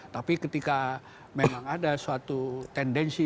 tapi ketika memang ada suatu tendensi